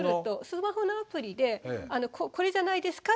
スマホのアプリでこれじゃないですか？